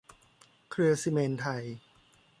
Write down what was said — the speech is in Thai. เครือซิเมนต์ไทย